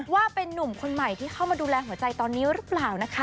ว่าเป็นนุ่มคนใหม่ที่เข้ามาดูแลหัวใจตอนนี้หรือเปล่านะคะ